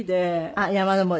あっ山登り。